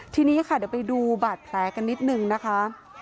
ทีนี้ค่ะเดี๋ยวไปดูบาดแผลกันนิดนึงนะคะ